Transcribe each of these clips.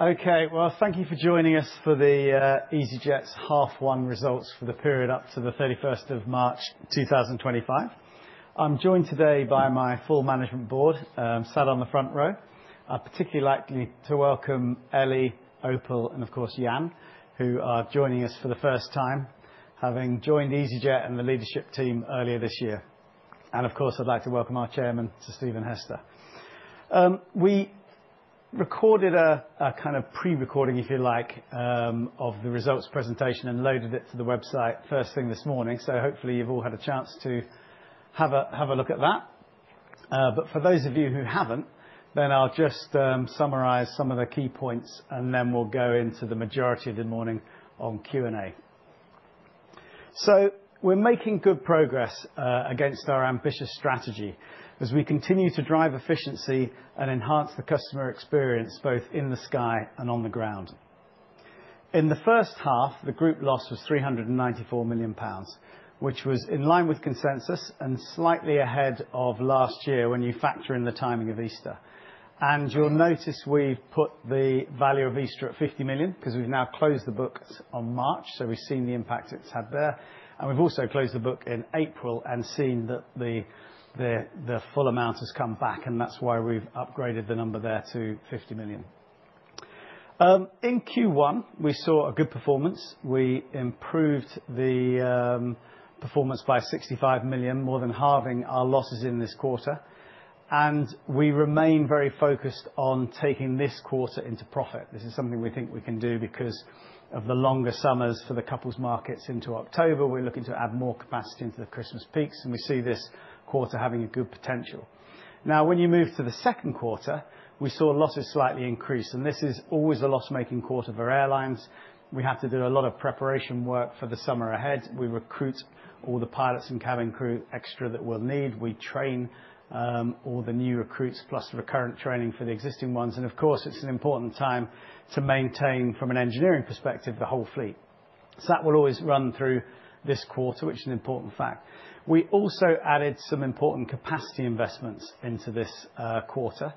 Okay, thank you for joining us for easyJet's half one results for the period up to the 31st of March 2025. I'm joined today by my full management board, sat on the front row. I'd particularly like to welcome Ellie, Opal, and of course Jan, who are joining us for the first time, having joined easyJet and the leadership team earlier this year. I would also like to welcome our Chairman, Sir Stephen Hester. We recorded a kind of pre-recording, if you like, of the results presentation and loaded it to the website first thing this morning, so hopefully you've all had a chance to have a look at that. For those of you who haven't, I'll just summarize some of the key points, and then we'll go into the majority of the morning on Q&A. We're making good progress against our ambitious strategy as we continue to drive efficiency and enhance the customer experience both in the sky and on the ground. In the first half, the group loss was 394 million pounds, which was in line with consensus and slightly ahead of last year when you factor in the timing of Easter. You'll notice we've put the value of Easter at 50 million because we've now closed the book on March, so we've seen the impact it's had there. We've also closed the book in April and seen that the full amount has come back, and that's why we've upgraded the number there to 50 million. In Q1, we saw a good performance. We improved the performance by 65 million, more than halving our losses in this quarter. We remain very focused on taking this quarter into profit. This is something we think we can do because of the longer summers for the couples markets into October. We're looking to add more capacity into the Christmas peaks, and we see this quarter having a good potential. Now, when you move to the second quarter, we saw losses slightly increase, and this is always a loss-making quarter for airlines. We have to do a lot of preparation work for the summer ahead. We recruit all the pilots and cabin crew extra that we'll need. We train all the new recruits, plus recurrent training for the existing ones. Of course, it's an important time to maintain, from an engineering perspective, the whole fleet. That will always run through this quarter, which is an important fact. We also added some important capacity investments into this quarter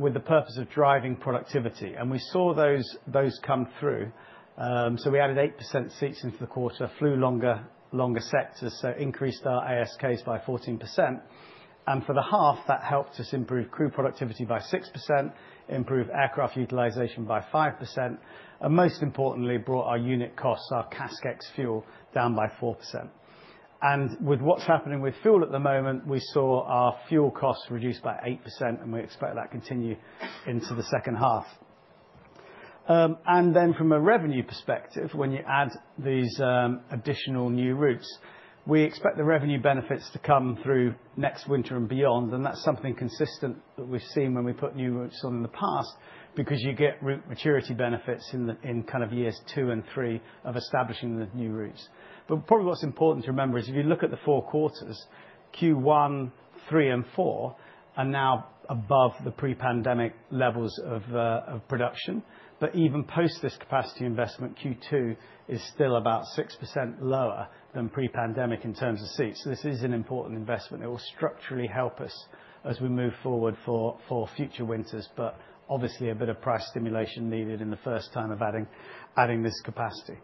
with the purpose of driving productivity. We saw those come through. We added 8% seats into the quarter, flew longer sectors, so increased our ASKs by 14%. For the half, that helped us improve crew productivity by 6%, improve aircraft utilization by 5%, and most importantly, brought our unit costs, our CASK ex-fuel, down by 4%. With what is happening with fuel at the moment, we saw our fuel costs reduced by 8%, and we expect that to continue into the second half. From a revenue perspective, when you add these additional new routes, we expect the revenue benefits to come through next winter and beyond. That is something consistent that we have seen when we put new routes on in the past because you get route maturity benefits in kind of years two and three of establishing the new routes. Probably what's important to remember is if you look at the four quarters, Q1, Q3, and Q4 are now above the pre-pandemic levels of production. Even post this capacity investment, Q2 is still about 6% lower than pre-pandemic in terms of seats. This is an important investment. It will structurally help us as we move forward for future winters, but obviously a bit of price stimulation needed in the first time of adding this capacity.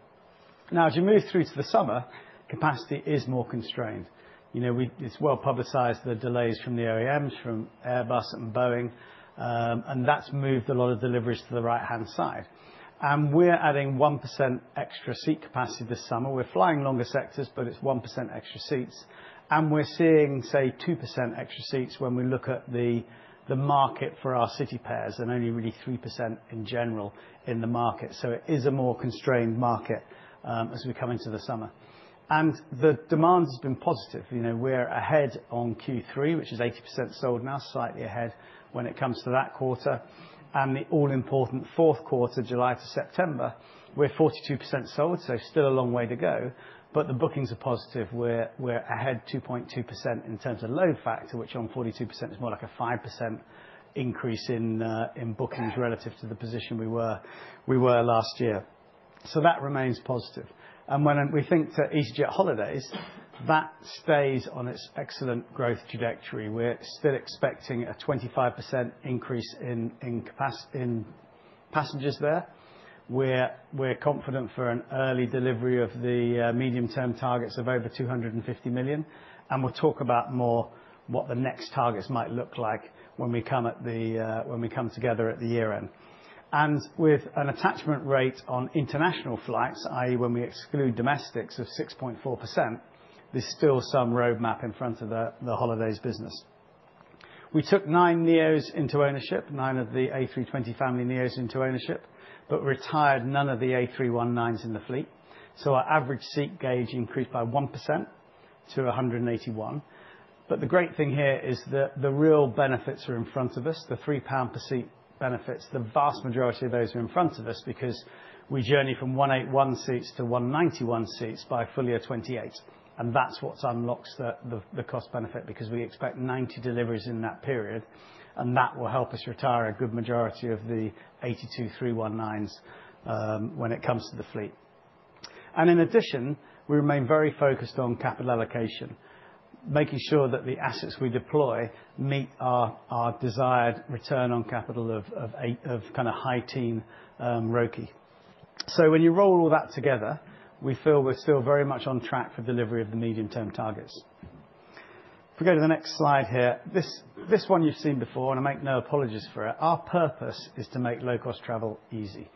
Now, as you move through to the summer, capacity is more constrained. It's well publicized the delays from the OEMs, from Airbus and Boeing, and that's moved a lot of deliveries to the right-hand side. We're adding 1% extra seat capacity this summer. We're flying longer sectors, but it's 1% extra seats. We're seeing, say, 2% extra seats when we look at the market for our city pairs and only really 3% in general in the market. It is a more constrained market as we come into the summer. The demand has been positive. We're ahead on Q3, which is 80% sold now, slightly ahead when it comes to that quarter. The all-important fourth quarter, July to September, we're 42% sold, so still a long way to go. The bookings are positive. We're ahead 2.2% in terms of load factor, which on 42% is more like a 5% increase in bookings relative to the position we were last year. That remains positive. When we think to easyJet Holidays, that stays on its excellent growth trajectory. We're still expecting a 25% increase in passengers there. We're confident for an early delivery of the medium-term targets of over 250 million. We'll talk about more what the next targets might look like when we come together at the year-end. With an attachment rate on international flights, i.e., when we exclude domestics, of 6.4%, there's still some roadmap in front of the holidays business. We took nine Neos into ownership, nine of the A320neo family aircraft into ownership, but retired none of the A319s in the fleet. Our average seat gauge increased by 1% to 181. The great thing here is that the real benefits are in front of us, the 3 pound per seat benefits. The vast majority of those are in front of us because we journey from 181 seats to 191 seats by fully at 2028. That's what unlocks the cost benefit because we expect 90 deliveries in that period. That will help us retire a good majority of the 82 A319s when it comes to the fleet. In addition, we remain very focused on capital allocation, making sure that the assets we deploy meet our desired return on capital of kind of high-teen ROIC. When you roll all that together, we feel we're still very much on track for delivery of the medium-term targets. If we go to the next slide here, this one you've seen before, and I make no apologies for it. Our purpose is to make low-cost travel easy.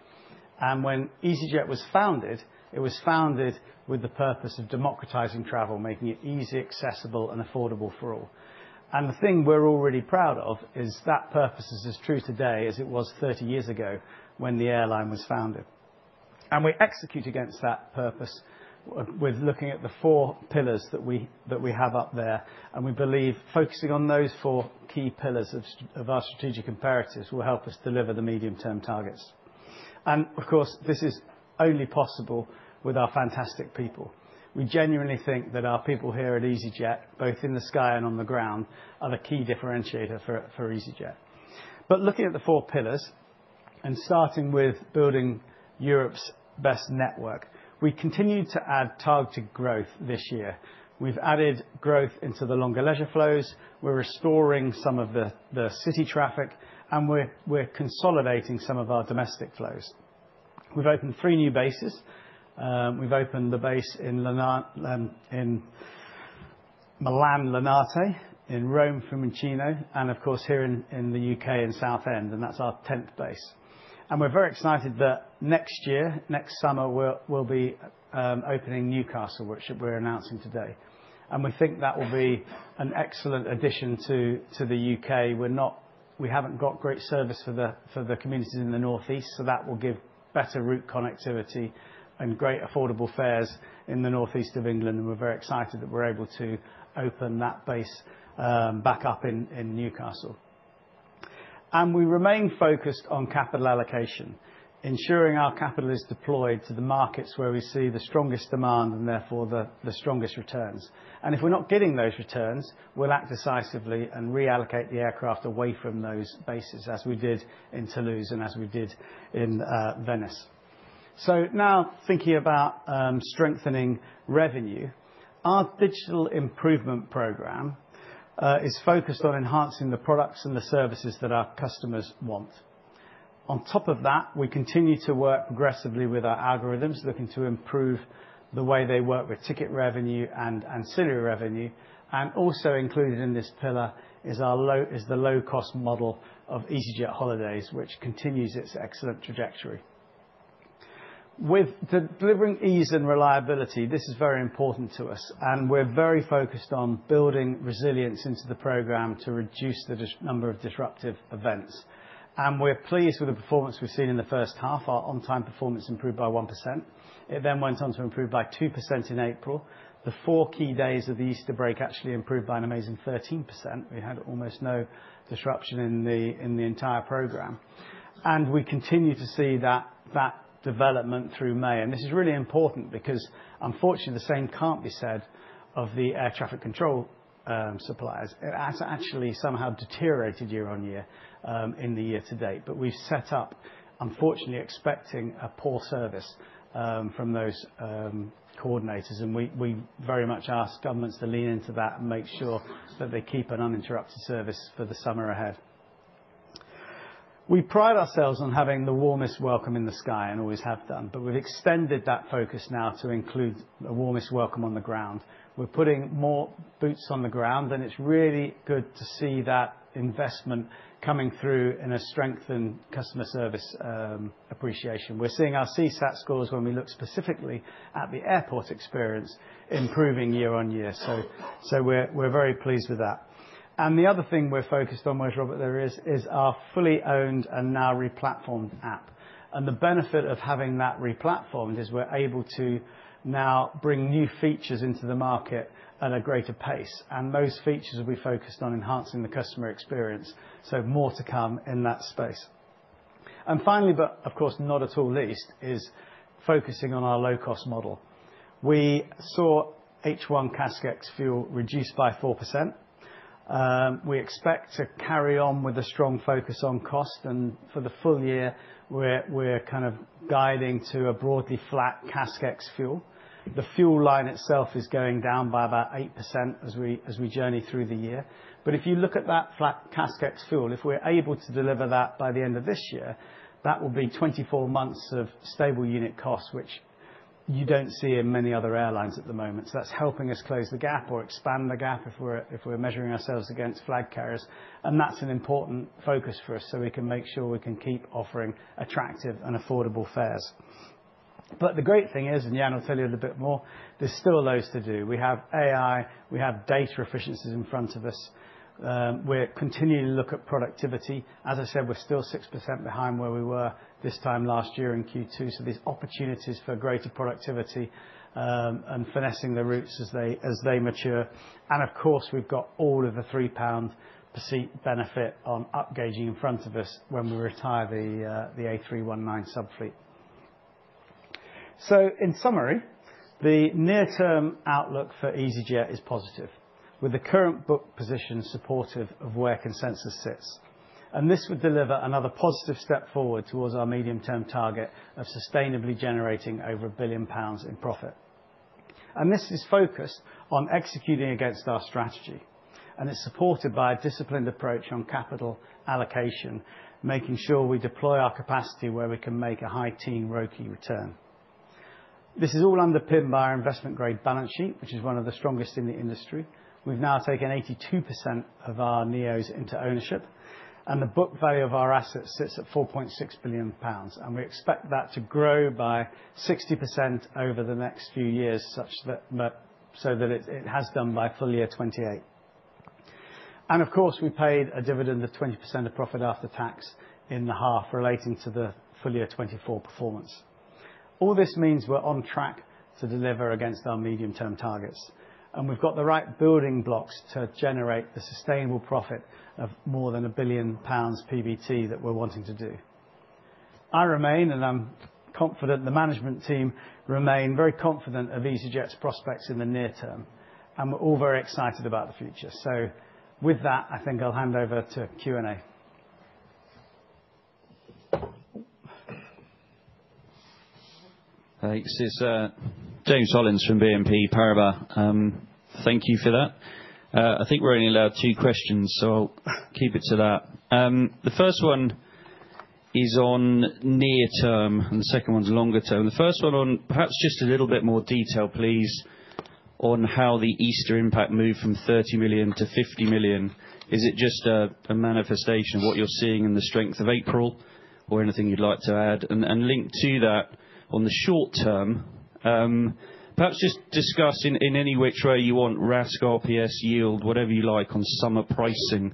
When easyJet was founded, it was founded with the purpose of democratizing travel, making it easy, accessible, and affordable for all. The thing we're already proud of is that purpose is as true today as it was 30 years ago when the airline was founded. We execute against that purpose with looking at the four pillars that we have up there. We believe focusing on those four key pillars of our strategic imperatives will help us deliver the medium-term targets. Of course, this is only possible with our fantastic people. We genuinely think that our people here at easyJet, both in the sky and on the ground, are the key differentiator for easyJet. Looking at the four pillars and starting with building Europe's best network, we continue to add targeted growth this year. We've added growth into the longer leisure flows. We're restoring some of the city traffic, and we're consolidating some of our domestic flows. We've opened three new bases. We've opened the base in Milan Linate, in Rome Fiumicino, and of course here in the U.K. in Southend, and that's our 10th base. We are very excited that next year, next summer, we'll be opening Newcastle, which we're announcing today. We think that will be an excellent addition to the U.K. We haven't got great service for the communities in the northeast, so that will give better route connectivity and great affordable fares in the northeast of England. We are very excited that we're able to open that base back up in Newcastle. We remain focused on capital allocation, ensuring our capital is deployed to the markets where we see the strongest demand and therefore the strongest returns. If we're not getting those returns, we'll act decisively and reallocate the aircraft away from those bases, as we did in Toulouse and as we did in Venice. Now thinking about strengthening revenue, our digital improvement program is focused on enhancing the products and the services that our customers want. On top of that, we continue to work progressively with our algorithms, looking to improve the way they work with ticket revenue and ancillary revenue. Also included in this pillar is the low-cost model of easyJet Holidays, which continues its excellent trajectory. With delivering ease and reliability, this is very important to us. We are very focused on building resilience into the program to reduce the number of disruptive events. We are pleased with the performance we have seen in the first half. Our on-time performance improved by 1%. It then went on to improve by 2% in April. The four key days of the Easter break actually improved by an amazing 13%. We had almost no disruption in the entire program. We continue to see that development through May. This is really important because, unfortunately, the same cannot be said of the air traffic control suppliers. It has actually somehow deteriorated year-on-year in the year to date. We have set up, unfortunately, expecting a poor service from those coordinators. We very much ask governments to lean into that and make sure that they keep an uninterrupted service for the summer ahead. We pride ourselves on having the warmest welcome in the sky and always have done. We have extended that focus now to include the warmest welcome on the ground. We are putting more boots on the ground, and it is really good to see that investment coming through in a strengthened customer service appreciation. We are seeing our CSAT scores, when we look specifically at the airport experience, improving year-on-year. We are very pleased with that. The other thing we are focused on, whereas Robert, there is, is our fully owned and now replatformed app. The benefit of having that replatformed is we're able to now bring new features into the market at a greater pace. Those features will be focused on enhancing the customer experience. More to come in that space. Finally, but of course not at all least, is focusing on our low-cost model. We saw H1 CASK ex-fuel reduced by 4%. We expect to carry on with a strong focus on cost. For the full year, we're kind of guiding to a broadly flat CASK ex-fuel. The fuel line itself is going down by about 8% as we journey through the year. If you look at that flat CASK ex-fuel, if we're able to deliver that by the end of this year, that will be 24 months of stable unit costs, which you do not see in many other airlines at the moment. That's helping us close the gap or expand the gap if we're measuring ourselves against flag carriers. That's an important focus for us so we can make sure we can keep offering attractive and affordable fares. The great thing is, and Jan will tell you a little bit more, there's still a loads to do. We have AI. We have data efficiencies in front of us. We're continuing to look at productivity. As I said, we're still 6% behind where we were this time last year in Q2. There's opportunities for greater productivity and finessing the routes as they mature. Of course, we've got all of the 3 pounds per seat benefit on upgauging in front of us when we retire the A319 subfleet. In summary, the near-term outlook for easyJet is positive, with the current book position supportive of where consensus sits. This would deliver another positive step forward towards our medium-term target of sustainably generating over 1 billion pounds in profit. This is focused on executing against our strategy. It is supported by a disciplined approach on capital allocation, making sure we deploy our capacity where we can make a high-teen ROIC return. This is all underpinned by our investment-grade balance sheet, which is one of the strongest in the industry. We have now taken 82% of our Neos into ownership. The book value of our assets sits at 4.6 billion pounds. We expect that to grow by 60% over the next few years, so that it has done by fully at 2028. Of course, we paid a dividend of 20% of profit after tax in the half relating to the full year 2024 performance. All this means we are on track to deliver against our medium-term targets. We have the right building blocks to generate the sustainable profit of more than 1 billion pounds PBT that we're wanting to do. I remain, and I'm confident the management team remain, very confident of easyJet's prospects in the near term. We're all very excited about the future. With that, I think I'll hand over to Q&A. Thanks. It's James Hollins from BNP Paribas. Thank you for that. I think we're only allowed two questions, so I'll keep it to that. The first one is on near-term, and the second one's longer-term. The first one on perhaps just a little bit more detail, please, on how the Easter impact moved from 30 million to 50 million. Is it just a manifestation of what you're seeing in the strength of April or anything you'd like to add? Linking to that in the short term, perhaps just discussing in any which way you want RASCO, RPS, yield, whatever you like on summer pricing.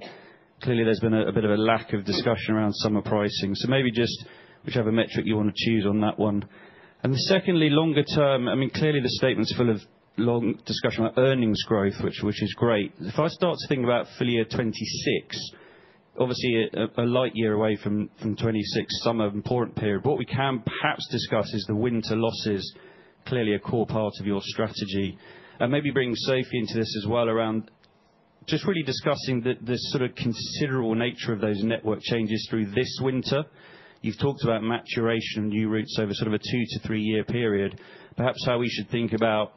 Clearly, there has been a bit of a lack of discussion around summer pricing. Maybe just whichever metric you want to choose on that one. Secondly, longer-term, I mean, clearly the statement is full of long discussion on earnings growth, which is great. If I start to think about fully at 2026, obviously a light year away from 2026, summer important period. What we can perhaps discuss is the winter losses, clearly a core part of your strategy. Maybe bring Sophie into this as well around just really discussing the sort of considerable nature of those network changes through this winter. You have talked about maturation of new routes over sort of a two to three-year period. Perhaps how we should think about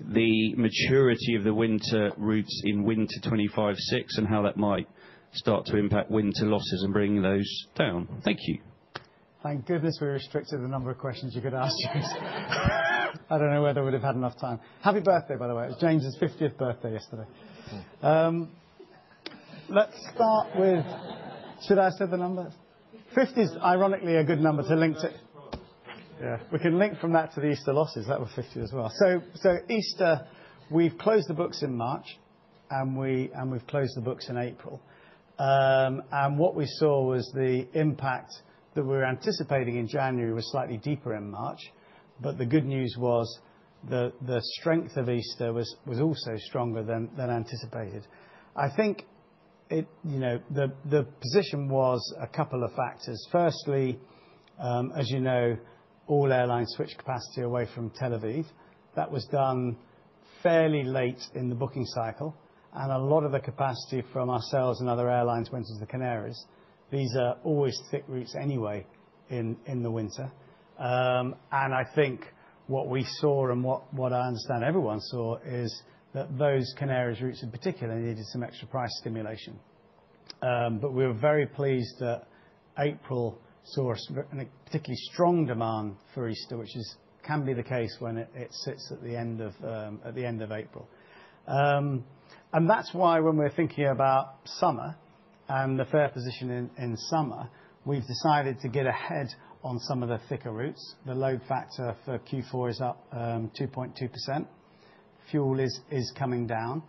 the maturity of the winter routes in winter 2025, 2026, and how that might start to impact winter losses and bring those down. Thank you. Thank goodness we restricted the number of questions you could ask, James. I do not know whether we would have had enough time. Happy birthday, by the way. It was James's 50th birthday yesterday. Let's start with, should I have said the number? 50 is ironically a good number to link to. We can link from that to the Easter losses. That was 50 as well. Easter, we have closed the books in March, and we have closed the books in April. What we saw was the impact that we were anticipating in January was slightly deeper in March. The good news was the strength of Easter was also stronger than anticipated. I think the position was a couple of factors. Firstly, as you know, all airlines switched capacity away from Tel Aviv. That was done fairly late in the booking cycle. A lot of the capacity from ourselves and other airlines went into the Canaries. These are always thick routes anyway in the winter. I think what we saw and what I understand everyone saw is that those Canaries routes in particular needed some extra price stimulation. We were very pleased that April saw a particularly strong demand for Easter, which can be the case when it sits at the end of April. That is why when we are thinking about summer and the fare position in summer, we have decided to get ahead on some of the thicker routes. The load factor for Q4 is up 2.2%. Fuel is coming down.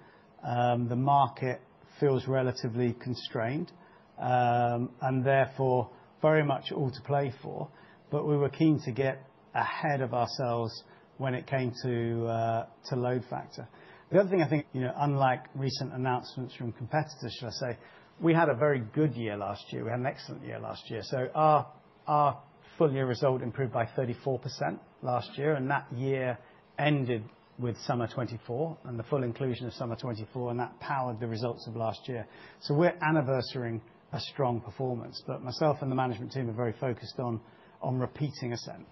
The market feels relatively constrained, and therefore very much all to play for. We were keen to get ahead of ourselves when it came to load factor. The other thing I think, unlike recent announcements from competitors, shall I say, we had a very good year last year. We had an excellent year last year. Our full year result improved by 34% last year. That year ended with summer 2024 and the full inclusion of summer 2024. That powered the results of last year. We are anniversarying a strong performance. Myself and the management team are very focused on repeating ascent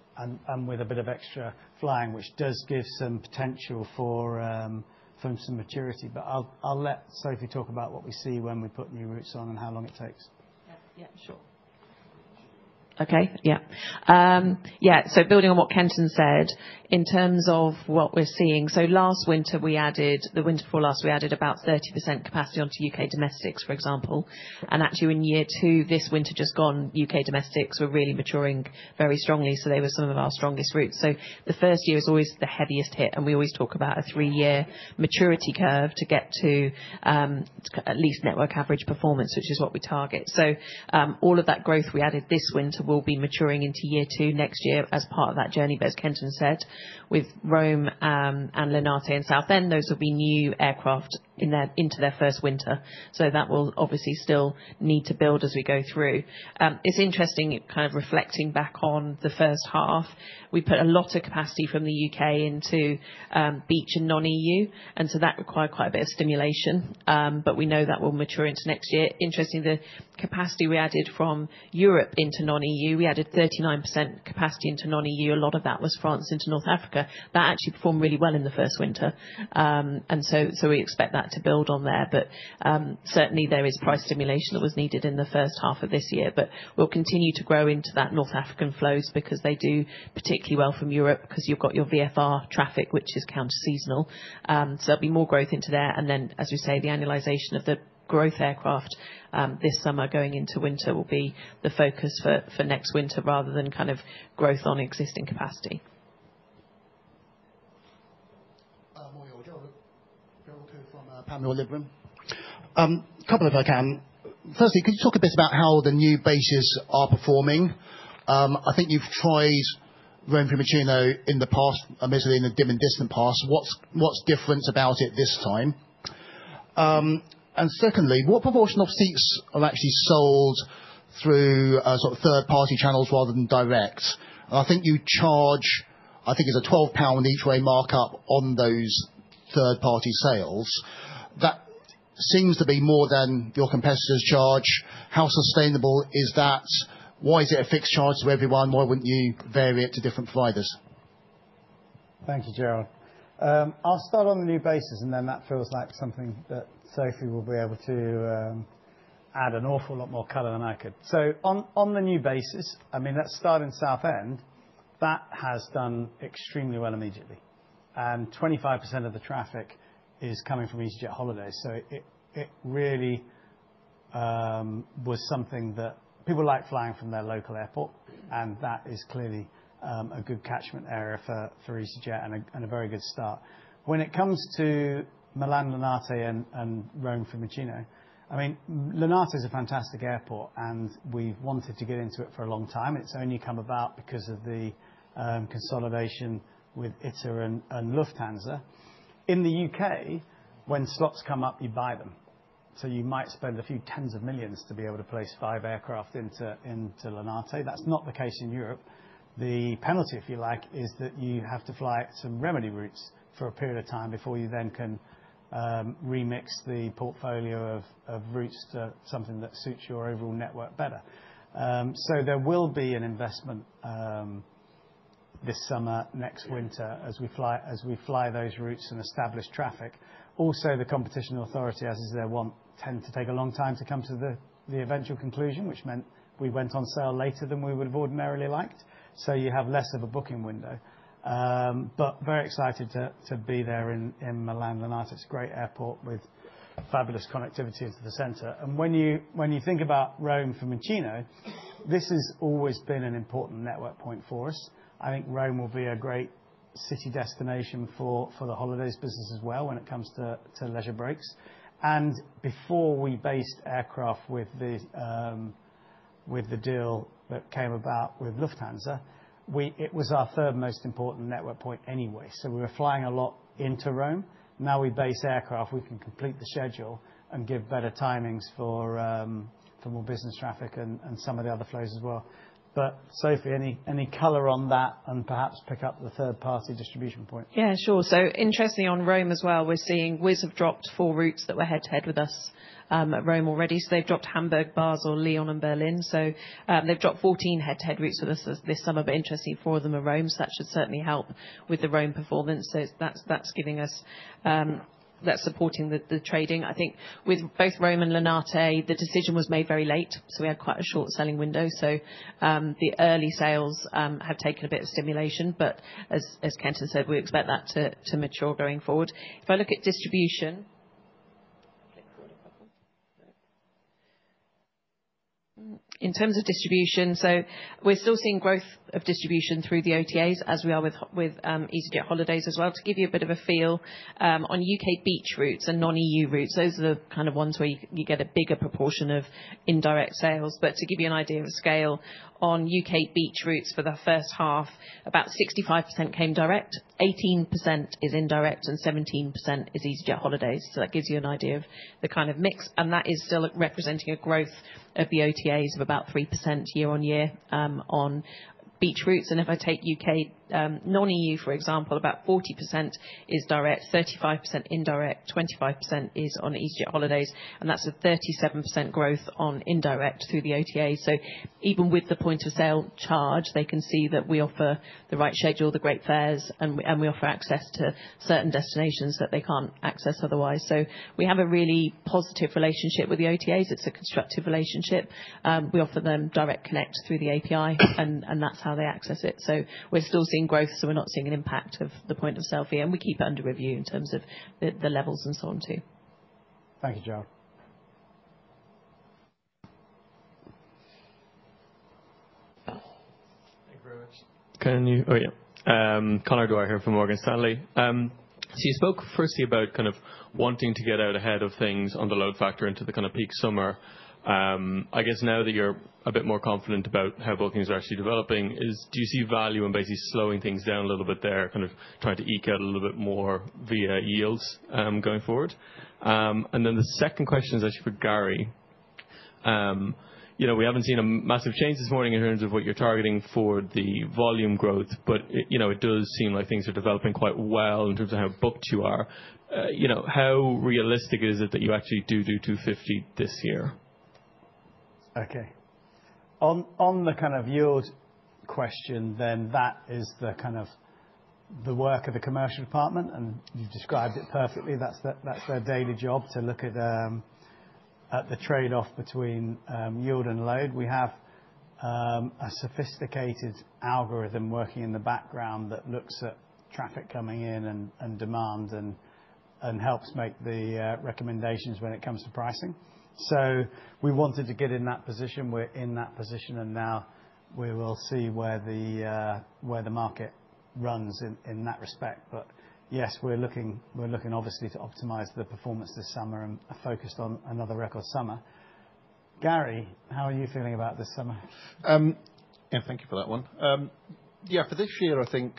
and with a bit of extra flying, which does give some potential for some maturity. I'll let Sophie talk about what we see when we put new routes on and how long it takes. Yeah. Sure. Okay. Yeah. Yeah. Building on what Kenton said, in terms of what we're seeing, last winter, the winter before last, we added about 30% capacity onto U.K. domestics, for example. Actually, in year two, this winter just gone, U.K. domestics were really maturing very strongly. They were some of our strongest routes. The first year is always the heaviest hit. We always talk about a three-year maturity curve to get to at least network average performance, which is what we target. All of that growth we added this winter will be maturing into year two next year as part of that journey, as Kenton said, with Rome and Linate and Southend. Those will be new aircraft into their first winter. That will obviously still need to build as we go through. It's interesting kind of reflecting back on the first half. We put a lot of capacity from the U.K. into beach and non-EU. That required quite a bit of stimulation. We know that will mature into next year. Interestingly, the capacity we added from Europe into non-EU, we added 39% capacity into non-EU. A lot of that was France into North Africa. That actually performed really well in the first winter. We expect that to build on there. There is price stimulation that was needed in the first half of this year. We will continue to grow into that North African flows because they do particularly well from Europe because you have your VFR traffic, which is counter-seasonal. There will be more growth into there. As we say, the annualization of the growth aircraft this summer going into winter will be the focus for next winter rather than kind of growth on existing capacity. Morgan, would you want to go from Pamela or Livram? A couple if I can. Firstly, could you talk a bit about how the new bases are performing? I think you've tried Rome Fiumicino in the past, admittedly in the dim and distant past. What's different about it this time? Secondly, what proportion of seats are actually sold through sort of third-party channels rather than direct? I think you charge, I think it's a 12 pound each way markup on those third-party sales. That seems to be more than your competitors charge. How sustainable is that? Why is it a fixed charge to everyone? Why wouldn't you vary it to different providers? Thank you, Gerald. I'll start on the new bases, and then that feels like something that Sophie will be able to add an awful lot more color than I could. On the new bases, I mean, let's start in Southend. That has done extremely well immediately. And 25% of the traffic is coming from easyJet Holidays. It really was something that people like, flying from their local airport. That is clearly a good catchment area for easyJet and a very good start. When it comes to Milan Linate and Rome Fiumicino, I mean, Linate is a fantastic airport, and we've wanted to get into it for a long time. It's only come about because of the consolidation with ITA and Lufthansa. In the U.K., when slots come up, you buy them. You might spend a few tens of millions to be able to place five aircraft into Linate. That is not the case in Europe. The penalty, if you like, is that you have to fly some remedy routes for a period of time before you then can remix the portfolio of routes to something that suits your overall network better. There will be an investment this summer, next winter, as we fly those routes and establish traffic. Also, the competition authority, as is their want, tend to take a long time to come to the eventual conclusion, which meant we went on sale later than we would have ordinarily liked. You have less of a booking window. Very excited to be there in Milan Linate. It is a great airport with fabulous connectivity into the center. When you think about Rome Fiumicino, this has always been an important network point for us. I think Rome will be a great city destination for the holidays business as well when it comes to leisure breaks. Before we based aircraft with the deal that came about with Lufthansa, it was our third most important network point anyway. We were flying a lot into Rome. Now we base aircraft, we can complete the schedule and give better timings for more business traffic and some of the other flows as well. Sophie, any color on that and perhaps pick up the third-party distribution point? Yeah, sure. Interestingly on Rome as well, we are seeing Wizz have dropped four routes that were head-to-head with us at Rome already. They have dropped Hamburg, Basel, Lyon, and Berlin. They've dropped 14 head-to-head routes with us this summer, but interestingly, four of them are Rome. That should certainly help with the Rome performance. That's supporting the trading. I think with both Rome and Linate, the decision was made very late. We had quite a short selling window. The early sales have taken a bit of stimulation. As Kenton said, we expect that to mature going forward. If I look at distribution, in terms of distribution, we're still seeing growth of distribution through the OTAs as we are with easyJet Holidays as well. To give you a bit of a feel, on U.K. beach routes and non-EU routes, those are the kind of ones where you get a bigger proportion of indirect sales. To give you an idea of scale, on U.K. beach routes for the first half, about 65% came direct, 18% is indirect, and 17% is easyJet Holidays. That gives you an idea of the kind of mix. That is still representing a growth of the OTAs of about 3% year-on-year on beach routes. If I take U.K. non-EU, for example, about 40% is direct, 35% indirect, 25% is on easyJet Holidays. That is a 37% growth on indirect through the OTAs. Even with the point of sale charge, they can see that we offer the right schedule, the great fares, and we offer access to certain destinations that they cannot access otherwise. We have a really positive relationship with the OTAs. It is a constructive relationship. We offer them direct connect through the API, and that is how they access it. We're still seeing growth, so we're not seeing an impact of the point of sale fee. We keep it under review in terms of the levels and so on too. Thank you, Gerald. Can you? Oh yeah. Connor Dwyer here from Morgan Stanley. You spoke firstly about kind of wanting to get out ahead of things on the load factor into the kind of peak summer. I guess now that you're a bit more confident about how bookings are actually developing, do you see value in basically slowing things down a little bit there, kind of trying to eke out a little bit more via yields going forward? The second question is actually for Garry. We haven't seen a massive change this morning in terms of what you're targeting for the volume growth, but it does seem like things are developing quite well in terms of how booked you are. How realistic is it that you actually do do 250 this year? Okay. On the kind of yield question then, that is the kind of the work of the commercial department, and you've described it perfectly. That's their daily job to look at the trade-off between yield and load. We have a sophisticated algorithm working in the background that looks at traffic coming in and demand and helps make the recommendations when it comes to pricing. We wanted to get in that position. We're in that position, and now we will see where the market runs in that respect. Yes, we're looking obviously to optimize the performance this summer and focused on another record summer. Garry, how are you feeling about this summer? Yeah, thank you for that one. Yeah, for this year, I think,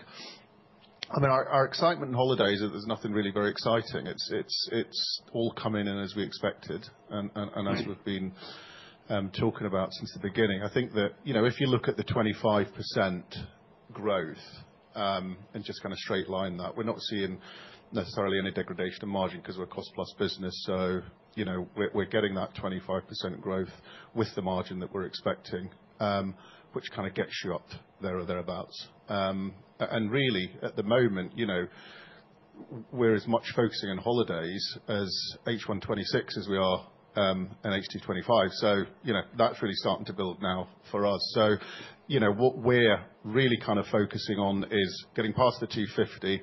I mean, our excitement in holidays, there's nothing really very exciting. It's all come in as we expected and as we've been talking about since the beginning. I think that if you look at the 25% growth and just kind of straight line that, we're not seeing necessarily any degradation of margin because we're a cost-plus business. So we're getting that 25% growth with the margin that we're expecting, which kind of gets you up there or thereabouts. Really, at the moment, we're as much focusing on holidays as H1 26 as we are in H2 25. That's really starting to build now for us. What we're really kind of focusing on is getting past the 250.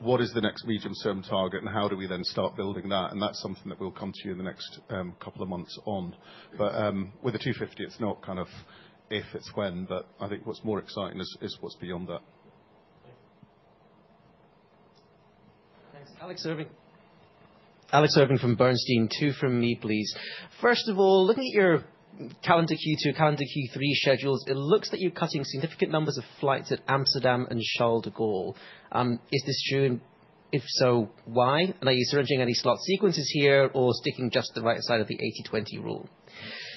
What is the next medium-term target, and how do we then start building that? That's something that we'll come to you in the next couple of months on. With the 250, it's not kind of if, it's when, but I think what's more exciting is what's beyond that. Thanks. Alex Irving. Alex Irving from Bernstein. Two from me, please. First of all, looking at your calendar Q2, calendar Q3 schedules, it looks that you're cutting significant numbers of flights at Amsterdam and Charles de Gaulle. Is this true? If so, why? Are you syringing any slot sequences here or sticking just to the right side of the 80/20 rule?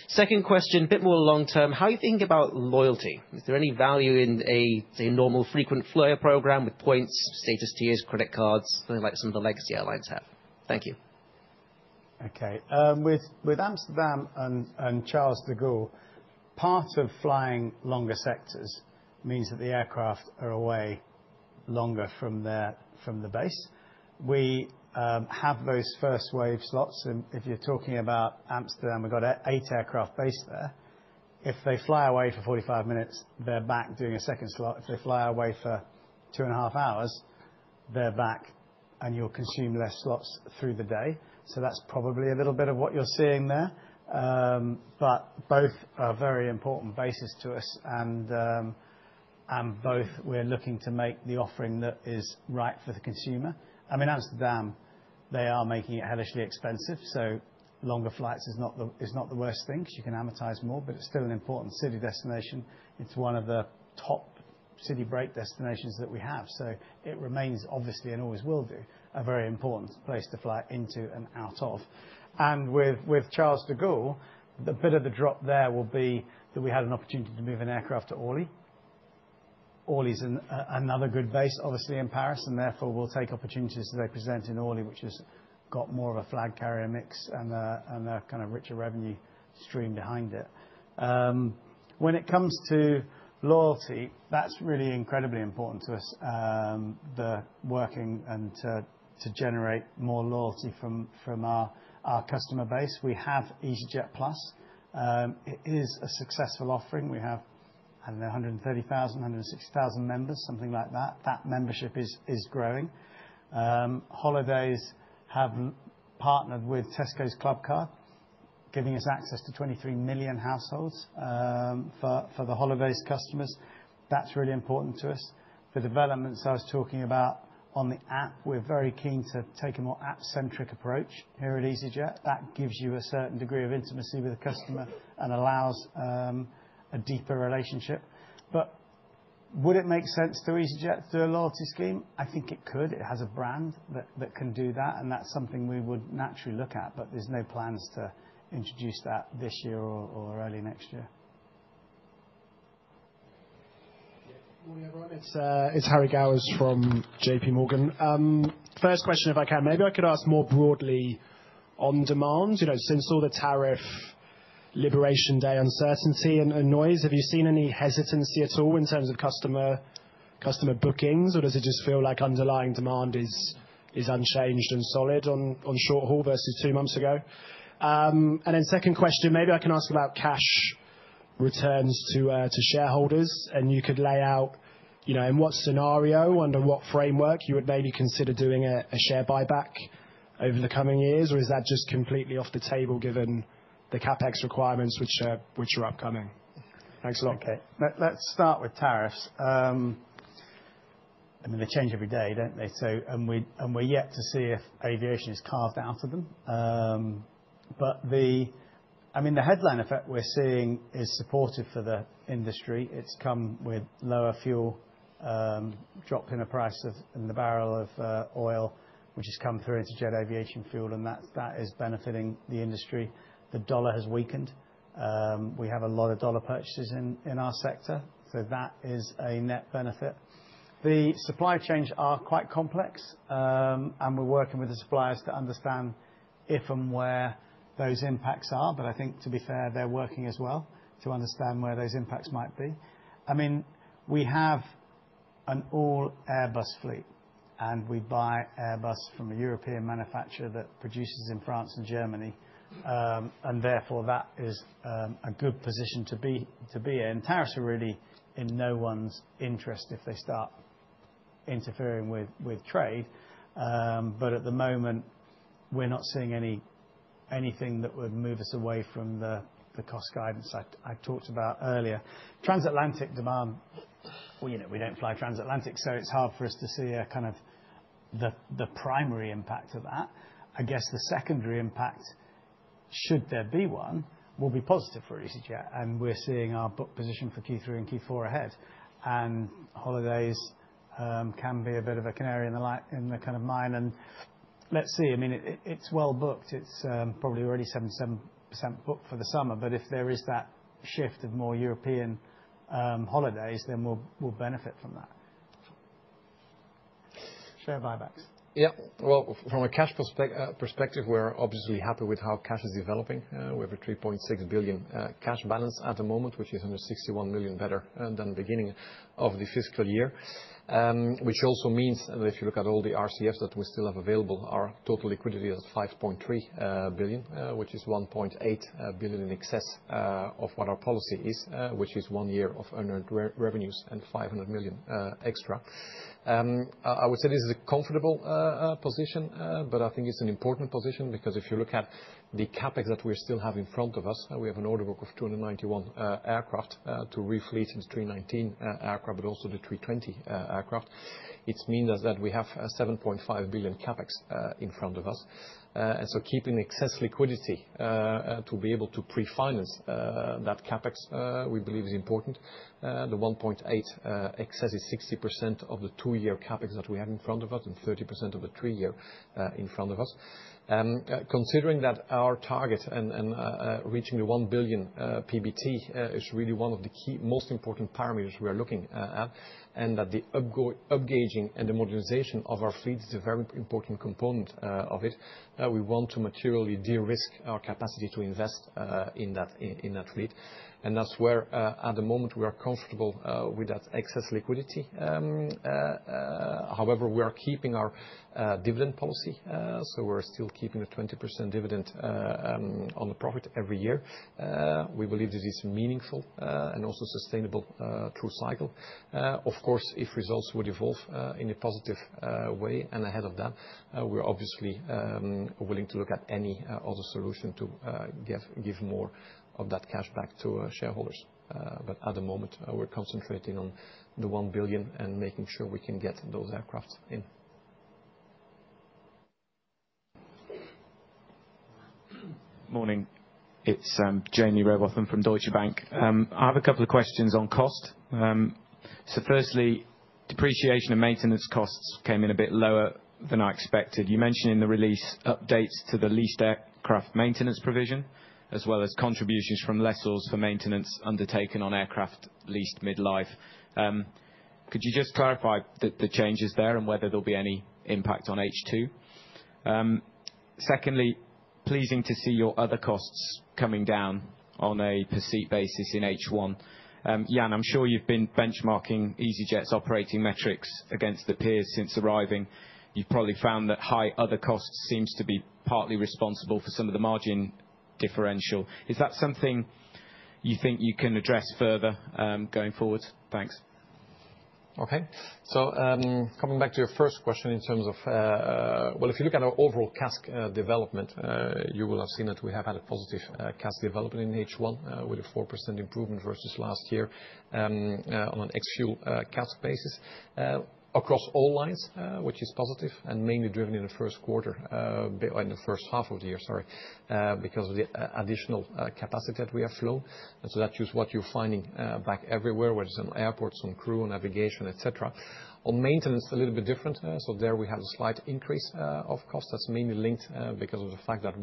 Second question, a bit more long-term. How are you thinking about loyalty? Is there any value in a, say, normal frequent flyer program with points, status tiers, credit cards, something like some of the legacy airlines have? Thank you. Okay. With Amsterdam and Charles de Gaulle, part of flying longer sectors means that the aircraft are away longer from the base. We have those first wave slots. If you're talking about Amsterdam, we've got eight aircraft based there. If they fly away for 45 minutes, they're back doing a second slot. If they fly away for two and a half hours, they're back, and you'll consume less slots through the day. That's probably a little bit of what you're seeing there. Both are very important bases to us, and both we're looking to make the offering that is right for the consumer. I mean, Amsterdam, they are making it hellishly expensive. Longer flights is not the worst thing because you can amortize more, but it's still an important city destination. It's one of the top city break destinations that we have. It remains, obviously, and always will be, a very important place to fly into and out of. With Charles de Gaulle, the bit of the drop there will be that we had an opportunity to move an aircraft to Orly. Orly is another good base, obviously, in Paris, and therefore we'll take opportunities as they present in Orly, which has got more of a flag carrier mix and a kind of richer revenue stream behind it. When it comes to loyalty, that's really incredibly important to us, the working and to generate more loyalty from our customer base. We have easyJet Plus. It is a successful offering. We have, I do not know, 130,000, 160,000 members, something like that. That membership is growing. Holidays have partnered with Tesco Clubcard, giving us access to 23 million households for the Holidays customers. That is really important to us. The developments I was talking about on the app, we are very keen to take a more app-centric approach here at easyJet. That gives you a certain degree of intimacy with the customer and allows a deeper relationship. Would it make sense to easyJet to do a loyalty scheme? I think it could. It has a brand that can do that, and that is something we would naturally look at, but there are no plans to introduce that this year or early next year. Morning everyone. It is Harry Gowers from JP Morgan. First question, if I can, maybe I could ask more broadly on demand. Since all the tariff liberation day uncertainty and noise, have you seen any hesitancy at all in terms of customer bookings, or does it just feel like underlying demand is unchanged and solid on short haul versus two months ago? Then second question, maybe I can ask about cash returns to shareholders, and you could lay out in what scenario, under what framework you would maybe consider doing a share buyback over the coming years, or is that just completely off the table given the CapEx requirements which are upcoming? Thanks a lot. Okay. Let's start with tariffs. I mean, they change every day, don't they? We're yet to see if aviation is carved out of them. I mean, the headline effect we're seeing is supportive for the industry. It's come with lower fuel, drop in the price of the barrel of oil, which has come through into jet aviation fuel, and that is benefiting the industry. The dollar has weakened. We have a lot of dollar purchases in our sector, so that is a net benefit. The supply chains are quite complex, and we're working with the suppliers to understand if and where those impacts are. I think, to be fair, they're working as well to understand where those impacts might be. I mean, we have an all-Airbus fleet, and we buy Airbus from a European manufacturer that produces in France and Germany, and therefore that is a good position to be in. Tariffs are really in no one's interest if they start interfering with trade. At the moment, we're not seeing anything that would move us away from the cost guidance I talked about earlier. Transatlantic demand, we do not fly transatlantic, so it is hard for us to see kind of the primary impact of that. I guess the secondary impact, should there be one, will be positive for easyJet, and we are seeing our book position for Q3 and Q4 ahead. Holidays can be a bit of a canary in the kind of mine, and let us see. I mean, it is well booked. It is probably already 77% booked for the summer, but if there is that shift of more European holidays, then we will benefit from that. Share buybacks. Yes. From a cash perspective, we are obviously happy with how cash is developing. We have a 3.6 billion cash balance at the moment, which is 161 million better than the beginning of the fiscal year, which also means that if you look at all the RCFs that we still have available, our total liquidity is 5.3 billion, which is 1.8 billion in excess of what our policy is, which is one year of earned revenues and 500 million extra. I would say this is a comfortable position, but I think it's an important position because if you look at the CapEx that we still have in front of us, we have an order book of 291 aircraft to refleat the A319 aircraft, but also the A320 aircraft. It means that we have 7.5 billion CapEx in front of us. Keeping excess liquidity to be able to pre-finance that CapEx, we believe is important. The 1.8 excess is 60% of the two-year CapEx that we have in front of us and 30% of the three-year in front of us. Considering that our target and reaching the 1 billion PBT is really one of the key, most important parameters we are looking at, and that the upgazing and the modernization of our fleet is a very important component of it, we want to materially de-risk our capacity to invest in that fleet. That is where, at the moment, we are comfortable with that excess liquidity. However, we are keeping our dividend policy, so we are still keeping the 20% dividend on the profit every year. We believe that it is meaningful and also sustainable through cycle. Of course, if results would evolve in a positive way and ahead of that, we're obviously willing to look at any other solution to give more of that cash back to shareholders. At the moment, we're concentrating on the 1 billion and making sure we can get those aircraft in. Morning. It's Jamie Roworth from Deutsche Bank. I have a couple of questions on cost. Firstly, depreciation and maintenance costs came in a bit lower than I expected. You mentioned in the release updates to the leased aircraft maintenance provision, as well as contributions from lessors for maintenance undertaken on aircraft leased mid-life. Could you just clarify the changes there and whether there'll be any impact on H2? Secondly, pleasing to see your other costs coming down on a per-seat basis in H1. Jan, I'm sure you've been benchmarking easyJet's operating metrics against the peers since arriving. You've probably found that high other costs seems to be partly responsible for some of the margin differential. Is that something you think you can address further going forward? Thanks. Okay. Coming back to your first question in terms of, well, if you look at our overall CASK development, you will have seen that we have had a positive CASK development in H1 with a 4% improvement versus last year on an ex-fuel CASK basis across all lines, which is positive and mainly driven in the first quarter or in the first half of the year, sorry, because of the additional capacity that we have flown. That is just what you're finding back everywhere, whether it's on airports, on crew, on navigation, etc. On maintenance, a little bit different. There we have a slight increase of costs that's mainly linked because of the fact that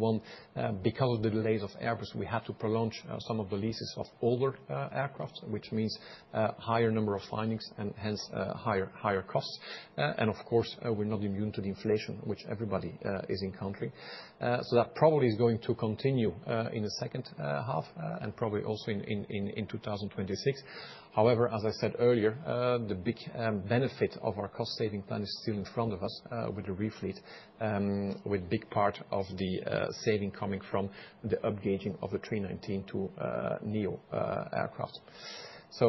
because of the delays of Airbus, we had to prelaunch some of the leases of older aircraft, which means a higher number of findings and hence higher costs. Of course, we're not immune to the inflation, which everybody is encountering. That probably is going to continue in the second half and probably also in 2026. However, as I said earlier, the big benefit of our cost-saving plan is still in front of us with the refleat, with a big part of the saving coming from the upgazing of the 319 to NEO aircraft. I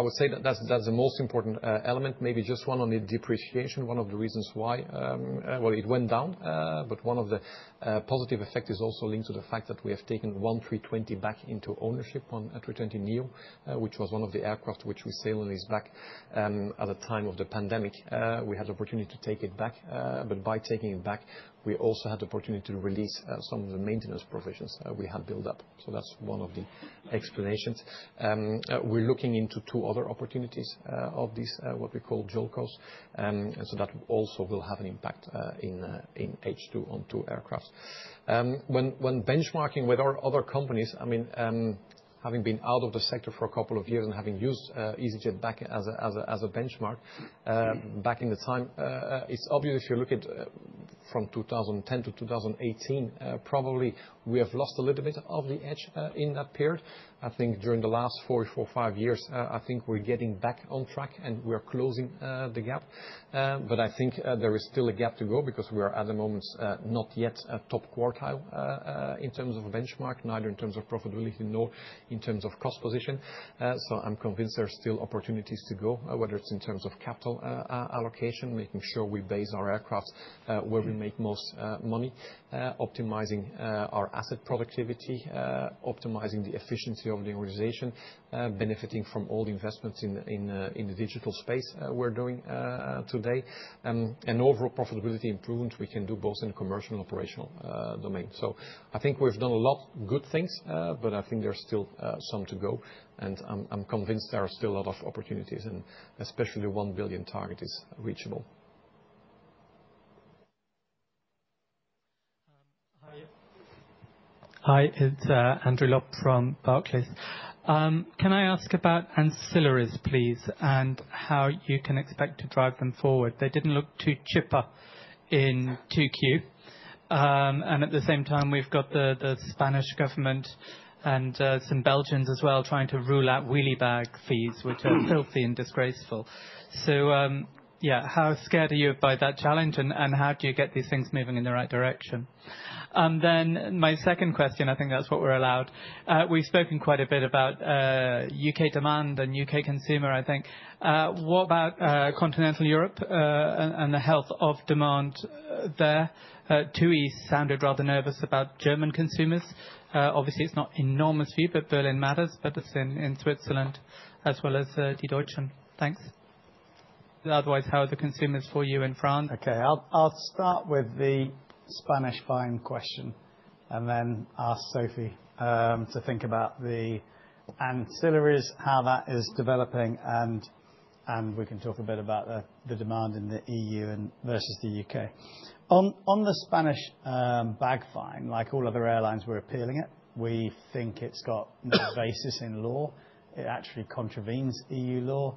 would say that that's the most important element. Maybe just one on the depreciation, one of the reasons why, well, it went down, but one of the positive effects is also linked to the fact that we have taken one A320 back into ownership on an A320 NEO, which was one of the aircraft which we sold on leaseback at the time of the pandemic. We had the opportunity to take it back, but by taking it back, we also had the opportunity to release some of the maintenance provisions we had built up. That's one of the explanations. We're looking into two other opportunities of these, what we call dual costs. That also will have an impact in H2 on two aircraft. When benchmarking with our other companies, I mean, having been out of the sector for a couple of years and having used easyJet back as a benchmark back in the time, it's obvious if you look at from 2010 to 2018, probably we have lost a little bit of the edge in that period. I think during the last four or five years, I think we're getting back on track and we're closing the gap. I think there is still a gap to go because we are at the moment not yet at top quartile in terms of benchmark, neither in terms of profitability nor in terms of cost position. I'm convinced there are still opportunities to go, whether it's in terms of capital allocation, making sure we base our aircraft where we make most money, optimizing our asset productivity, optimizing the efficiency of the organization, benefiting from all the investments in the digital space we're doing today. Overall profitability improvement, we can do both in the commercial and operational domain. I think we've done a lot of good things, but I think there's still some to go. I'm convinced there are still a lot of opportunities, and especially the 1 billion target is reachable. Hi, it's Andrew Lobb from Barclays. Can I ask about ancillaries, please, and how you can expect to drive them forward? They didn't look too chipper in 2Q. At the same time, we've got the Spanish government and some Belgians as well trying to rule out wheelie bag fees, which are filthy and disgraceful. Yeah, how scared are you by that challenge, and how do you get these things moving in the right direction? My second question, I think that's what we're allowed. We've spoken quite a bit about U.K. demand and U.K. consumer, I think. What about continental Europe and the health of demand there? TUI sounded rather nervous about German consumers. Obviously, it's not enormous fee, but Berlin matters, but it's in Switzerland as well as the Deutschen. Thanks. Otherwise, how are the consumers for you in France Okay. I'll start with the Spanish buying question and then ask Sophie to think about the ancillaries, how that is developing, and we can talk a bit about the demand in the EU versus the U.K. On the Spanish bag fine, like all other airlines, we're appealing it. We think it's got no basis in law. It actually contravenes EU law,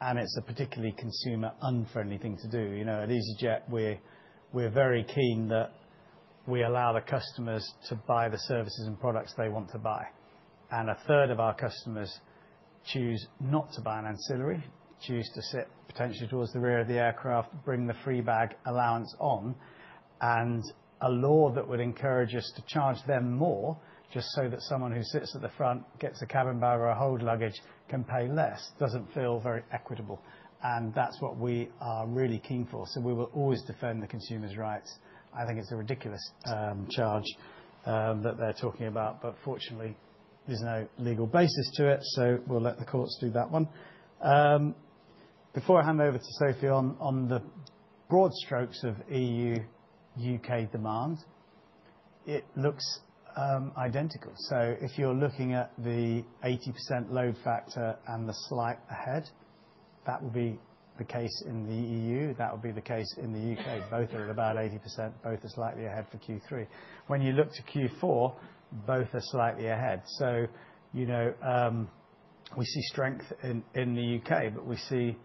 and it's a particularly consumer-unfriendly thing to do. At easyJet, we're very keen that we allow the customers to buy the services and products they want to buy. A third of our customers choose not to buy an ancillary, choose to sit potentially towards the rear of the aircraft, bring the free bag allowance on, and a law that would encourage us to charge them more just so that someone who sits at the front, gets a cabin bag or a hold luggage, can pay less, does not feel very equitable. That is what we are really keen for. We will always defend the consumer's rights. I think it is a ridiculous charge that they are talking about, but fortunately, there is no legal basis to it, so we will let the courts do that one. Before I hand over to Sophie on the broad strokes of EU-U.K. demand, it looks identical. If you are looking at the 80% load factor and the slight ahead, that will be the case in the EU. That will be the case in the U.K. Both are at about 80%. Both are slightly ahead for Q3. When you look to Q4, both are slightly ahead. We see strength in the U.K., but we see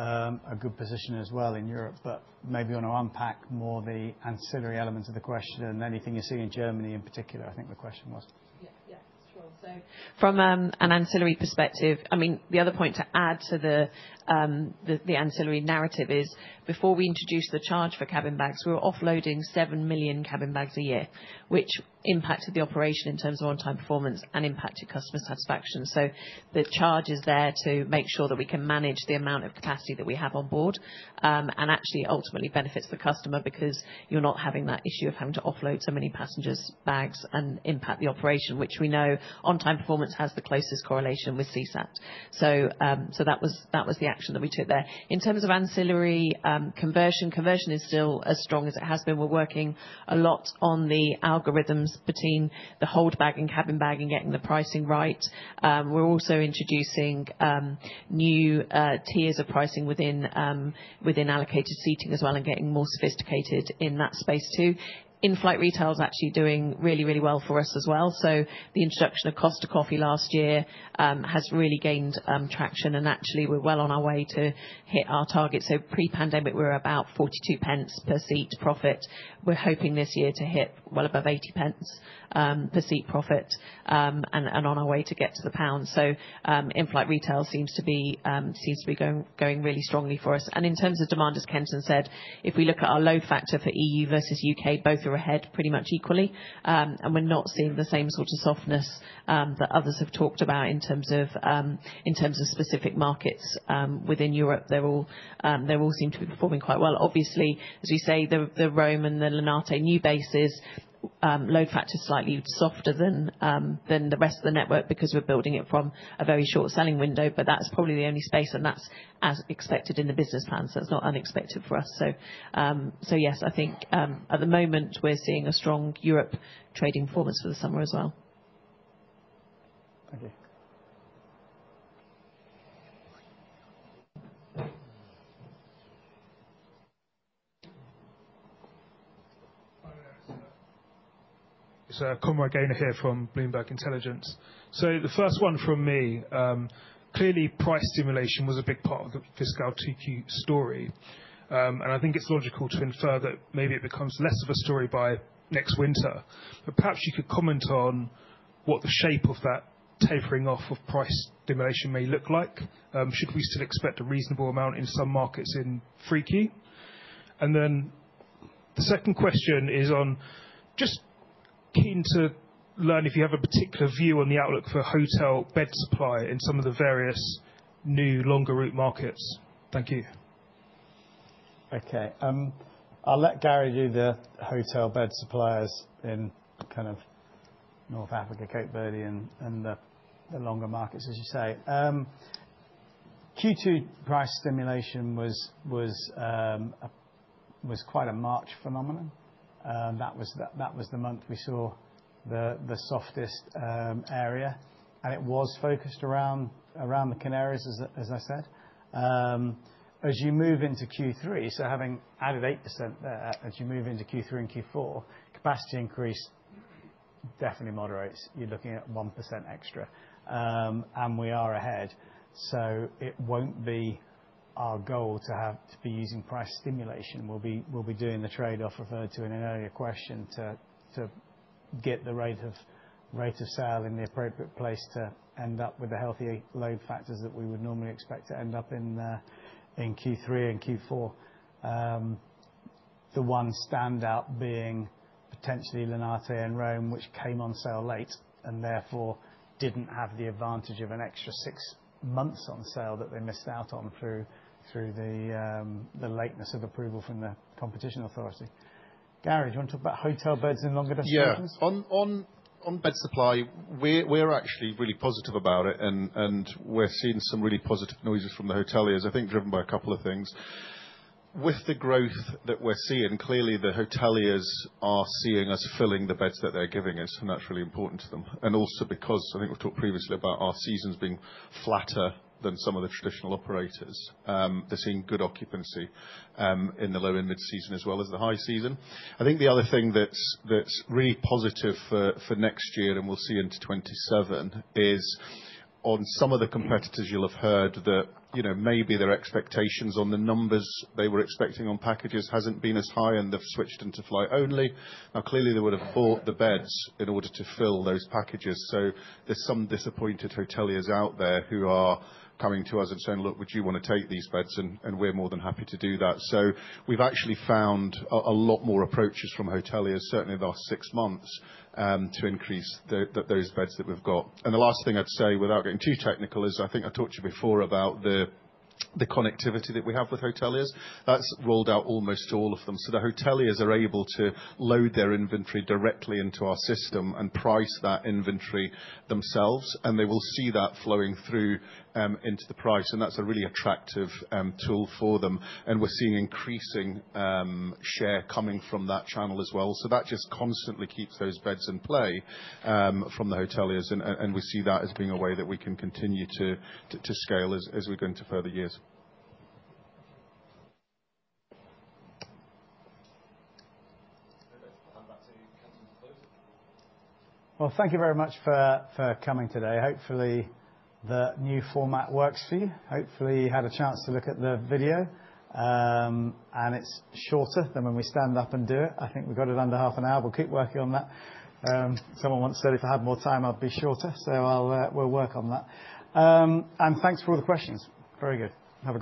a good position as well in Europe, but maybe you want to unpack more the ancillary elements of the question and anything you see in Germany in particular, I think the question was. Yeah, yeah, sure. From an ancillary perspective, I mean, the other point to add to the ancillary narrative is before we introduced the charge for cabin bags, we were offloading 7 million cabin bags a year, which impacted the operation in terms of on-time performance and impacted customer satisfaction. The charge is there to make sure that we can manage the amount of capacity that we have on board and actually ultimately benefits the customer because you're not having that issue of having to offload so many passengers' bags and impact the operation, which we know on-time performance has the closest correlation with CSAT. That was the action that we took there. In terms of ancillary conversion, conversion is still as strong as it has been. We're working a lot on the algorithms between the hold bag and cabin bag and getting the pricing right. We're also introducing new tiers of pricing within allocated seating as well and getting more sophisticated in that space too. In-flight retail is actually doing really, really well for us as well. The introduction of Costa Coffee last year has really gained traction, and actually, we're well on our way to hit our target. Pre-pandemic, we were about 42 per seat profit. We're hoping this year to hit well above 80 per seat profit and on our way to get to the pound. In-flight retail seems to be going really strongly for us. In terms of demand, as Kenton said, if we look at our load factor for EU versus U.K., both are ahead pretty much equally, and we're not seeing the same sort of softness that others have talked about in terms of specific markets within Europe. They all seem to be performing quite well. Obviously, as we say, the Rome and the Linate new bases, load factor is slightly softer than the rest of the network because we're building it from a very short selling window, but that's probably the only space, and that's as expected in the business plan, so it's not unexpected for us. Yes, I think at the moment, we're seeing a strong Europe trading performance for the summer as well. Thank you. It's Conroy Gaynor here from Bloomberg Intelligence. The first one from me, clearly, price stimulation was a big part of the Fiscal 2Q story. I think it's logical to infer that maybe it becomes less of a story by next winter. Perhaps you could comment on what the shape of that tapering off of price stimulation may look like. Should we still expect a reasonable amount in some markets in 3Q? The second question is on just keen to learn if you have a particular view on the outlook for hotel bed supply in some of the various new longer route markets. Thank you. Okay. I'll let Garry do the hotel bed suppliers in kind of North Africa, Cape Verde, and the longer markets, as you say. Q2 price stimulation was quite a March phenomenon. That was the month we saw the softest area, and it was focused around the Canaries, as I said. As you move into Q3, having added 8% there, as you move into Q3 and Q4, capacity increase definitely moderates. You're looking at 1% extra, and we are ahead. It won't be our goal to be using price stimulation. We'll be doing the trade-off referred to in an earlier question to get the rate of sale in the appropriate place to end up with the healthy load factors that we would normally expect to end up in Q3 and Q4. The one standout being potentially Linate and Rome, which came on sale late and therefore did not have the advantage of an extra six months on sale that they missed out on through the lateness of approval from the competition authority. Garry, do you want to talk about hotel beds and longer desk services? Yeah. On bed supply, we're actually really positive about it, and we're seeing some really positive noises from the hoteliers, I think driven by a couple of things. With the growth that we're seeing, clearly, the hoteliers are seeing us filling the beds that they're giving us, and that's really important to them. I think we've talked previously about our seasons being flatter than some of the traditional operators. They're seeing good occupancy in the low and mid-season as well as the high season. I think the other thing that's really positive for next year, and we'll see into 2027, is on some of the competitors you'll have heard that maybe their expectations on the numbers they were expecting on packages hasn't been as high, and they've switched into flight only. Now, clearly, they would have bought the beds in order to fill those packages. There are some disappointed hoteliers out there who are coming to us and saying, "Look, would you want to take these beds?" We're more than happy to do that. We've actually found a lot more approaches from hoteliers, certainly the last six months, to increase those beds that we've got. The last thing I'd say, without getting too technical, is I think I talked to you before about the connectivity that we have with hoteliers. That's rolled out almost to all of them. The hoteliers are able to load their inventory directly into our system and price that inventory themselves, and they will see that flowing through into the price. That's a really attractive tool for them. We're seeing increasing share coming from that channel as well. That just constantly keeps those beds in play from the hoteliers, and we see that as being a way that we can continue to scale as we go into further years. Thank you very much for coming today. Hopefully, the new format works for you. Hopefully, you had a chance to look at the video, and it's shorter than when we stand up and do it. I think we got it under half an hour. We'll keep working on that. Someone once said, "If I had more time, I'd be shorter." We'll work on that. Thanks for all the questions. Very good. Okay.